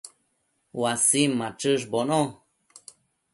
uasin machëshbono